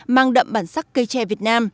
mang đậm bản sắc cây tre việt nam